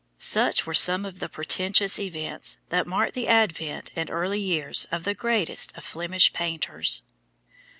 Such were some of the portentous events that marked the advent and early years of the greatest of Flemish painters.